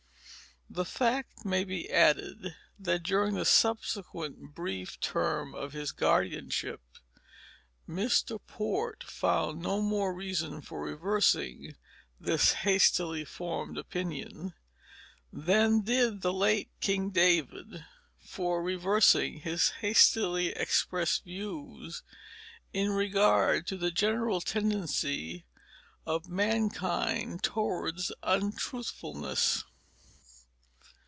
The fact may be added that during the subsequent brief term of his guardianship Mr. Port found no more reason for reversing this hastily formed opinion than did the late King David for reversing his hastily expressed views in regard to the general tendency of mankind towards untruthfulness.